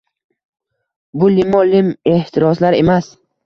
Bu limmo-lim ehtiroslar emas.